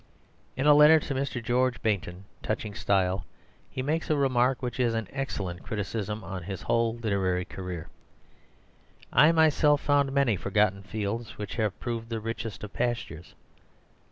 In a letter to Mr. George Bainton, touching style, he makes a remark which is an excellent criticism on his whole literary career: "I myself found many forgotten fields which have proved the richest of pastures."